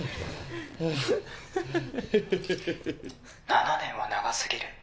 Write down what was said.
「７年は長すぎる。